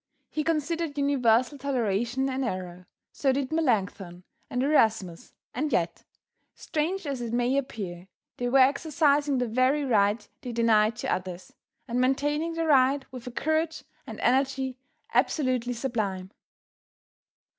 He considered universal toleration an error, so did Melancthon, and Erasmus, and yet, strange as it may appear, they were exercising the very right they denied to others, and maintaining their right with a courage and energy absolutely sublime.